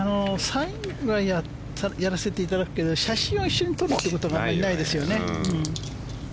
サインはやらせていただくけど写真を一緒に撮ることがないですよね。